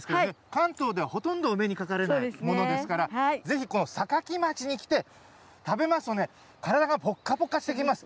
関東ではほとんどお目にかかれないものですから、ぜひこの坂城町に来て、食べますとね、体がぽっかぽかしてきます。